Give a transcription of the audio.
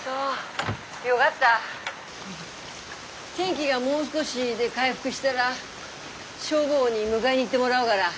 天気がもう少しで回復したら消防に迎えに行ってもらうがら。